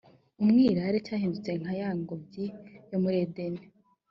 umwirare cyahindutse nka ya ngobyi yo muri edeni